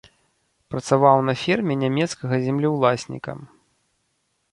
Працаваў на ферме нямецкага землеўласніка.